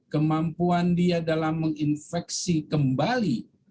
kemampuan dia dalam menginfeksi kembali